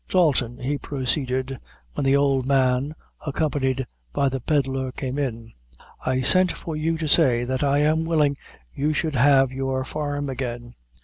"Dalton," he proceeded, when the old man, accompanied by the Pedlar, came in, "I sent for you to say that I am willing you should have your farm again."